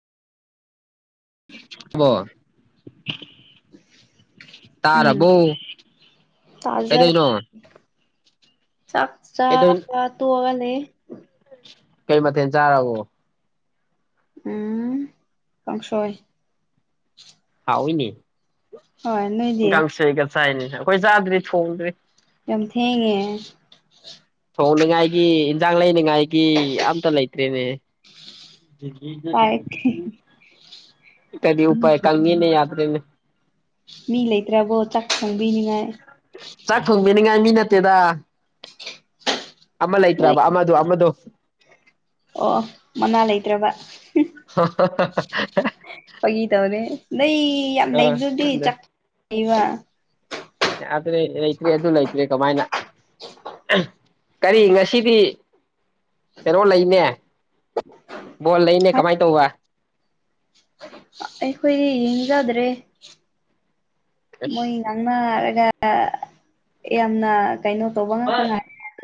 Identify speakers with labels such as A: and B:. A: [inaudible] ꯕꯣ
B: ꯎꯝ
A: ꯇꯥꯔꯕꯣ
B: ꯇꯥꯖꯔꯦ
A: ꯀꯩꯗꯧꯅꯣ
B: ꯆꯥꯛ
A: ꯀꯩꯗꯧ
B: ꯆꯥꯕ ꯇꯣꯛꯒ ꯂꯩꯌꯦ
A: ꯀꯩ ꯃꯊꯦꯜ ꯆꯥꯔꯕꯣ
B: ꯎꯝ ꯀꯥꯡꯁꯣꯏ
A: ꯍꯥꯎꯏꯅꯦ
B: ꯍꯣꯏ ꯅꯣꯏ
A: ꯀꯥꯡꯁꯣꯏꯒ ꯆꯥꯏꯅꯦ ꯑꯈꯣꯏ ꯆꯥꯗ꯭ꯔꯤ ꯊꯣꯡꯗ꯭ꯔꯤ
B: ꯌꯥꯝ ꯊꯦꯡꯉꯦ
A: ꯊꯣꯡꯅꯤꯉꯥꯏꯒꯤ ꯏꯟꯖꯥꯡ ꯂꯩꯅꯤꯡꯉꯥꯏꯒꯤ ꯑꯝꯇ ꯂꯩꯇ꯭ꯔꯦꯅꯦ
B: ꯇꯥꯏ
A: [unintelligible] ꯀꯔꯤ ꯎꯄꯥꯥꯏ ꯀꯪꯉꯤꯅꯦ ꯌꯥꯗꯔꯦꯅꯦ
B: ꯃꯤ ꯂꯩꯇ꯭ꯔꯕꯣ ꯆꯥꯛ ꯊꯣꯡꯕꯤꯅꯤꯉꯥꯏ
A: ꯆꯥꯛ ꯊꯣꯡꯕꯤꯅꯤꯉꯥꯏ ꯃꯤ ꯅꯠꯇꯦꯗꯥ ꯑꯃ
B: ꯅꯣꯏ
A: ꯂꯩꯇ꯭ꯔꯕ ꯑꯃꯗꯣ ꯑꯃꯗꯣ
B: ꯑꯣ ꯃꯅꯥ ꯂꯩꯇ꯭ꯔꯕ
A: [unintelligible]
B: ꯐꯥꯒꯤ ꯇꯧꯅꯦ ꯅꯩ ꯌꯥꯝ
A: ꯑꯥ
B: ꯂꯩꯕꯗꯨꯗꯤꯕ
A: ꯑꯗ
B: ꯆꯥꯛ [unintelligible]
A: ꯌꯥꯗ꯭ꯔꯦ ꯂꯩꯇ꯭ꯔꯦ ꯑꯗꯨ ꯂꯩꯇ꯭꯭ꯔꯦ ꯀꯃꯥꯏꯅ ꯀꯔꯤ ꯉꯁꯤꯗꯤ ꯀꯩꯅꯣ ꯂꯩꯅꯦ ꯕꯣꯜ ꯂꯩꯅꯦ ꯀꯃꯥꯏ ꯇꯧꯕ
B: ꯑꯩꯈꯣꯏꯗꯤ ꯌꯦꯡꯖꯥꯗ꯭ꯔꯦ ꯃꯣꯏ ꯉꯥꯡꯅꯔꯒꯥ ꯌꯥꯝꯅ ꯀꯩꯅꯣ ꯇꯧꯕ ꯉꯥꯛꯇꯥ
A: ꯑꯁ
B: ꯉꯥꯏ